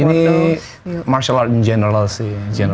ini martial art general sih